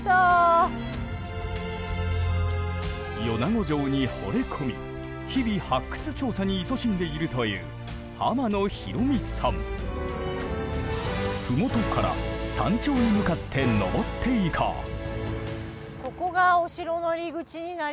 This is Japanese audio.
米子城にほれ込み日々発掘調査にいそしんでいるという麓から山頂に向かって登っていこう。